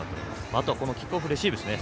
あとはキックオフレシーブですね。